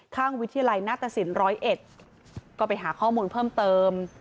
ข้างวิทยาลัยณตระสิน๑๐๑ก็ไปหาข้อมูลเพิ่มเติม